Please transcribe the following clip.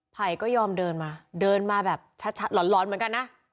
ไผ่ก็ยอมเดินมาเดินมาแบบชัดหลอนเหมือนกันนะ